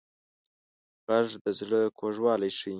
غږ د زړه کوږوالی ښيي